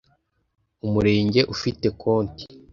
umurenge ufite konti